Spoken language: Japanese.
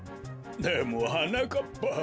でもはなかっぱ。